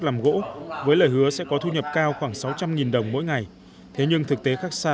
làm gỗ với lời hứa sẽ có thu nhập cao khoảng sáu trăm linh đồng mỗi ngày thế nhưng thực tế khác xa